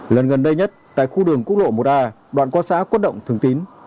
lần gần đây nhất tại khu đường quốc lộ một a đoạn qua xã quất động thường tín